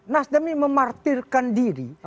nasdaq ini memartirkan diri